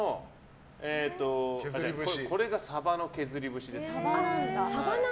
これがサバの削り節ですね。